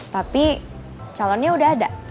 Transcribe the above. tapi calonnya udah ada